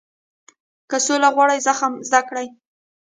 • که سوله غواړې، زغم زده کړه.